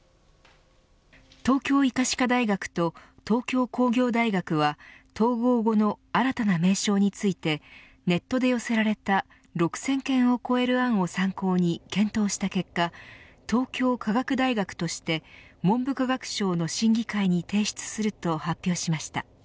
東京医科歯科大学と東京工業大学は統合後の新たな名称についてネットで寄せられた６０００件を超える案を参考に検討した結果東京科学大学として文部科学省の審議会に提出すると発表しました。